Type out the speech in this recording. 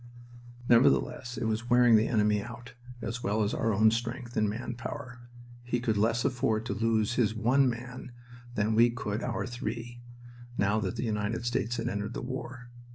Nevertheless, it was wearing the enemy out, as well as our own strength in man power. He could less afford to lose his one man than we could our three, now that the United States had entered the war.